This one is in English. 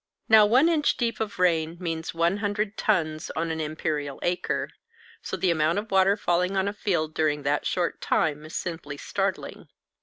Now 1 inch deep of rain means 100 tons on an imperial acre; so the amount of water falling on a field during that short time is simply startling.